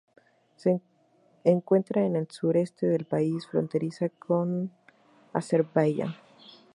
Se encuentra en el sureste del país, fronteriza con Azerbaiyán.